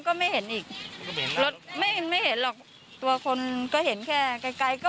ก็ไม่เห็นอีกรถไม่เห็นไม่เห็นหรอกตัวคนก็เห็นแค่ไกลไกลก็